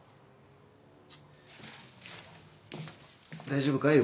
大丈夫かい？